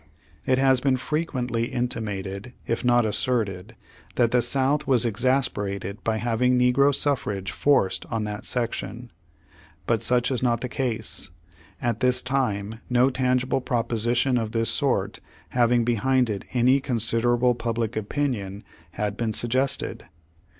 It has been frequently intimated if not asserted that the South was exasperated by having negro suffrage forced on that section. But such is not the case. At this time no tangible proposition of this sort having behind it any considerable public opinion, had been suggested.